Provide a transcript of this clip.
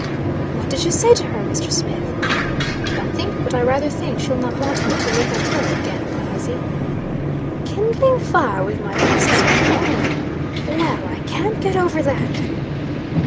"What did you say to her, Mr. Smith?" "Nothing. But I rather think she'll not want me to look at her again, the huzzy!" "Kindling fire with my best sperm oil! Well, I can't get over that!"